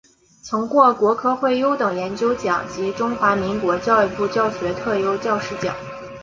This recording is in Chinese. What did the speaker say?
曾获国科会优等研究奖及中华民国教育部教学特优教师奖。